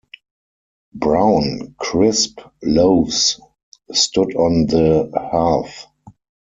Brown, crisp loaves stood on the hearth.